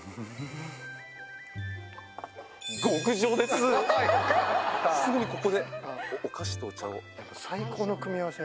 すぐにここでお菓子とお茶を。